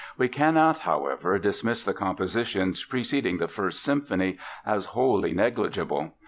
We cannot, however, dismiss the compositions preceding the First Symphony as wholly negligible.